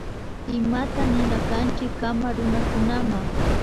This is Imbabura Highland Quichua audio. Imata nina kanchi kamak runakunama